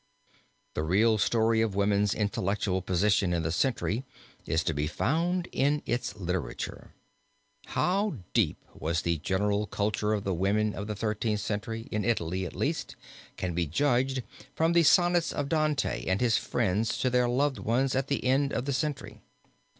The real story of woman's intellectual position in the century is to be found in its literature. How deep was the general culture of the women of the Thirteenth Century, in Italy at least, can be judged from the Sonnets of Dante and his friends to their loved ones at the end of this century.